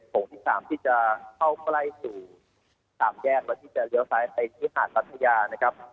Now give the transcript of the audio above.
งที่๓ที่จะเข้าใกล้สู่๓แยกแล้วที่จะเลี้ยวซ้ายไปที่หาดพัทยานะครับ